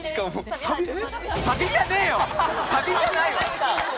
サビじゃないわ！